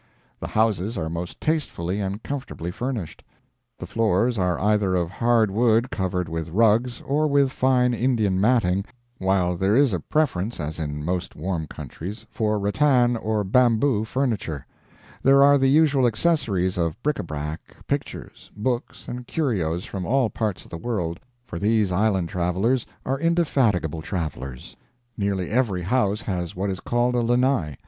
"The houses are most tastefully and comfortably furnished; the floors are either of hard wood covered with rugs or with fine Indian matting, while there is a preference, as in most warm countries, for rattan or bamboo furniture; there are the usual accessories of bric a brac, pictures, books, and curios from all parts of the world, for these island dwellers are indefatigable travelers. "Nearly every house has what is called a lanai.